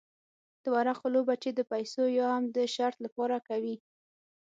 د ورقو لوبه چې د پیسو یا هم د شرط لپاره کوي.